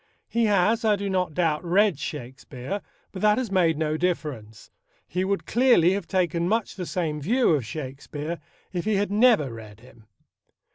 He has, I do not doubt, read Shakespeare, but that has made no difference, He would clearly have taken much the same view of Shakespeare if he had never read him.